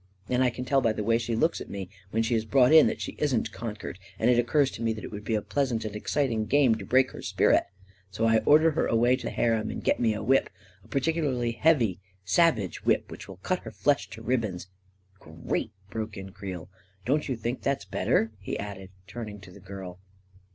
And I can tell by the way she looks at me, when she is brought in, that she isn't con quered, and it occurs to me that it would be a pleas ant and exciting game to break her spirit, so I or der her away to the harem, and get me a whip — a particularly heavy and savage whip, which will cut her flesh to ribbons .,."" Great !" broke in Creel. " Don't you think that's better? " he added, turning to the girl.